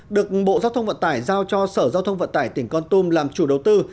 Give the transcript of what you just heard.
được bộ giao thông vận tải giao cho sở giao thông vận tải tỉnh con tum làm chủ đầu tư